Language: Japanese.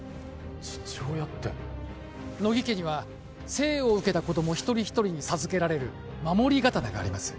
父親って乃木家には生を受けた子供一人一人に授けられる守り刀があります